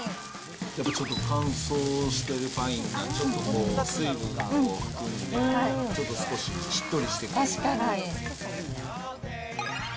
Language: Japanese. やっぱちょっと乾燥しているパインがちょっとこう、水分を含んで、ちょっと少ししっとりしてきますね。